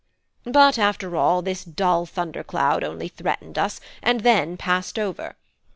But, after all, this dull thunder cloud only threatened us, and then passed over.